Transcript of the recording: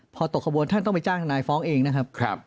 พอตกขบวนท่านต้องไปจ้างทนายฟ้องเองนะครับ